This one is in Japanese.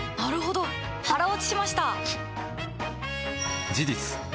腹落ちしました！